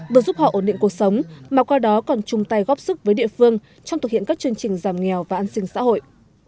vừa giúp họ ổn định cuộc sống mà qua đó còn chung tay góp sức với địa phương trong thực hiện các chương trình giảm nghèo và an sinh xã hội